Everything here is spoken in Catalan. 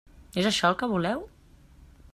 És això el que voleu?